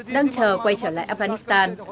đang chờ quay trở lại afghanistan